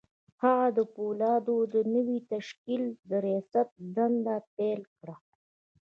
هغه د پولادو د نوي تشکيل د رياست دنده پيل کړه.